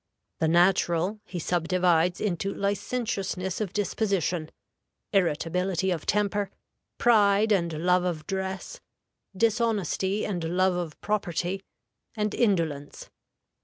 The natural he subdivides into licentiousness of disposition, irritability of temper, pride and love of dress, dishonesty and love of property, and indolence.